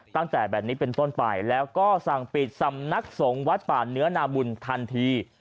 ตั้งแต่แบบนี้เป็นต้นไปแล้วก็สั่งปิดสำนักสงฆ์วัดป่าเนื้อนาบุญทันที